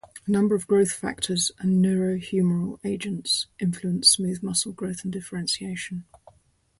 A number of growth factors and neurohumoral agents influence smooth muscle growth and differentiation.